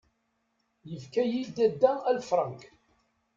Yefka-iyi Ddada aleffrank.